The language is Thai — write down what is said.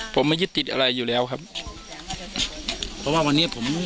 ผมไม่ยึดติดอะไรอยู่แล้วครับเพราะว่าวันนี้ผม